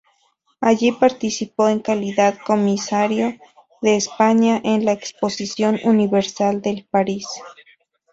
Allí participó en calidad comisario de España en la Exposición Universal de París.